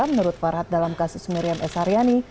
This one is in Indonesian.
menurut farhad dalam kasus miriam s haryani